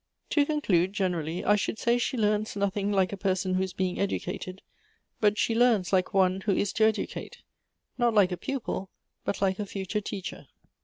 "To conclude generally, I should say she learns nothing like a person who is being educated, but she learns like one who is to educate — not like a pupil, but like a future teacher.